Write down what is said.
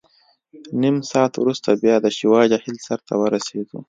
نیم ساعت وروسته بیا د شیوا جهیل سر ته ورسېدو.